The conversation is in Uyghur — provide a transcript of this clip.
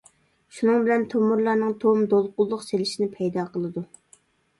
شۇنىڭ بىلەن تومۇرلارنىڭ توم، دولقۇنلۇق سېلىشىنى پەيدا قىلىدۇ.